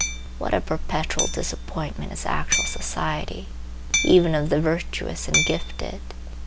What a perpetual disappointment is actual society, even of the virtuous and gifted!